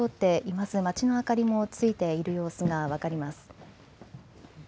まちの明かりもついている様子が分かります。